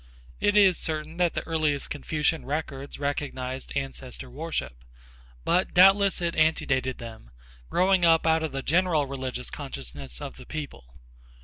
It is certain that the earliest Confucian records recognize ancestor worship; but doubtless it antedated them, growing up out of the general religious consciousness of the people.